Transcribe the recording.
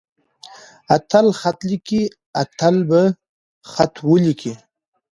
اتل خط ليکي. اتل به خط وليکي.